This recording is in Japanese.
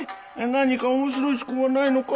何か面白い趣向はないのか？